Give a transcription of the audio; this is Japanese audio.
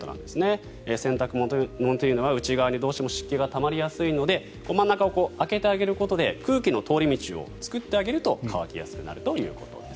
洗濯物というのは内側にどうしても湿気がたまりやすいので真ん中を空けてあげることで空気の通り道を作ってあげると乾きやすくなるということです。